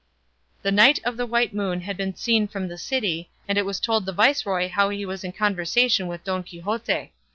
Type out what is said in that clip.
The Knight of the White Moon had been seen from the city, and it was told the viceroy how he was in conversation with Don Quixote.